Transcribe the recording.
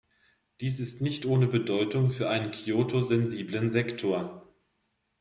Dies ist nicht ohne Bedeutung für einen Kyoto-sensiblen Sektor.